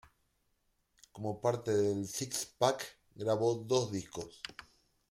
Como parte de Six Pack, grabó dos discos.